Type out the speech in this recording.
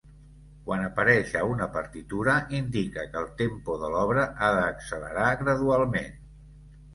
Quan apareix a una partitura indica que el tempo de l'obra ha d'accelerar gradualment.